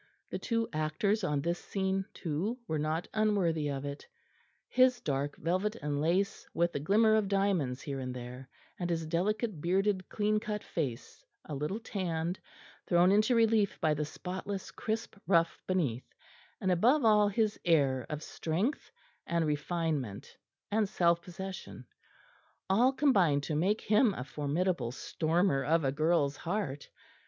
The two actors on this scene too were not unworthy of it; his dark velvet and lace with the glimmer of diamonds here and there, and his delicate bearded clean cut face, a little tanned, thrown into relief by the spotless crisp ruff beneath, and above all his air of strength and refinement and self possession all combined to make him a formidable stormer of a girl's heart.